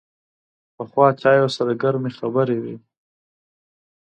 پخو چایو سره ګرمې خبرې وي